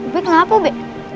be kenapa be